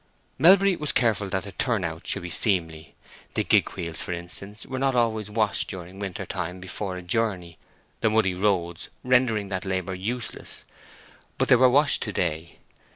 Melbury was careful that the turnout should be seemly. The gig wheels, for instance, were not always washed during winter time before a journey, the muddy roads rendering that labor useless; but they were washed to day.